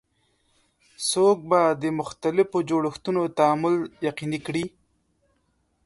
څوک به د مختلفو جوړښتونو تعامل یقیني کړي؟